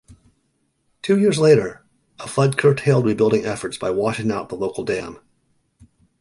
Two years later, a flood curtailed rebuilding efforts by washing out the local dam.